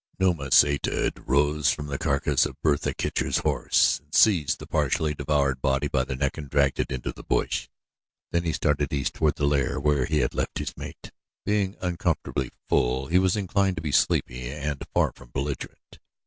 Numa, sated, rose from the carcass of Bertha Kircher's horse and seized the partially devoured body by the neck and dragged it into the bush; then he started east toward the lair where he had left his mate. Being uncomfortably full he was inclined to be sleepy and far from belligerent.